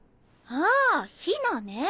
あヒナね。